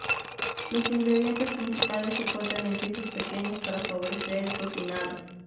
Los ingredientes principales se cortan en piezas pequeñas para favorecer el cocinado.